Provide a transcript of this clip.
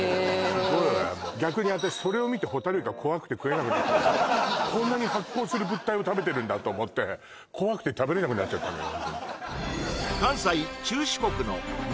もう逆に私それを見てホタルイカ怖くて食えなくなったこんなに発光する物体を食べてるんだと思って怖くて食べれなくなっちゃったのよ